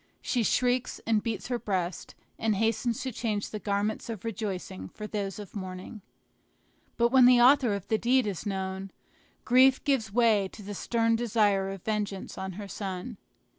She shrieks, and beats her breast, and hastens to change the garments of rejoicing for those of mourning. But when the author of the deed is known, grief gives way to the stern desire of vengeance on her son.